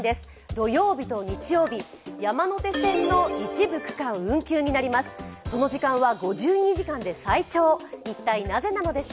土曜日と日曜日、山手線の一部区間が運休になります。